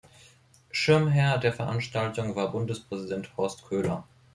Schirmherr der Veranstaltung war Bundespräsident Horst Köhler.